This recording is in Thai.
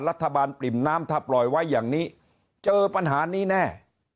ปริ่มน้ำถ้าปล่อยไว้อย่างนี้เจอปัญหานี้แน่